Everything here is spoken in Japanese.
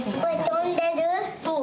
そう。